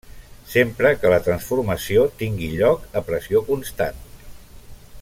Sempre que la transformació tingui lloc a pressió constant.